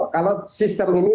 kalau sistem ini